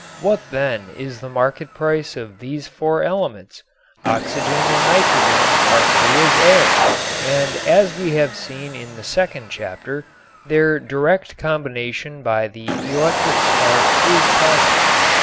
What, then, is the market price of these four elements? Oxygen and nitrogen are free as air, and as we have seen in the second chapter, their direct combination by the electric spark is possible.